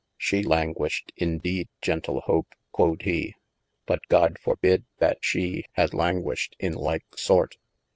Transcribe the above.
She languished in deede gentle Hope quod hee, but God forbide that she had languished^ in like sort.